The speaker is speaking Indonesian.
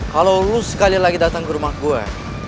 kalau lo sekali lagi datang ke rumah gue